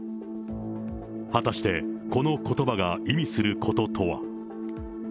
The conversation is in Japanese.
果たしてこのことばが意味することとは。